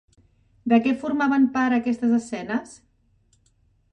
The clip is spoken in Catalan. De què formaven par aquestes escenes?